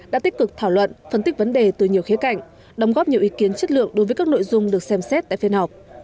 đã tích cực thảo luận phân tích vấn đề từ nhiều khía cạnh đóng góp nhiều ý kiến chất lượng đối với các nội dung được xem xét tại phiên họp